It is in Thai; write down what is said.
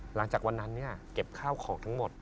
หลังจากวันนั้นเก็บข้าวของทั้งหมด